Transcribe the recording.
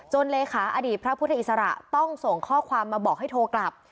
เลขาอดีตพระพุทธอิสระต้องส่งข้อความมาบอกให้โทรกลับ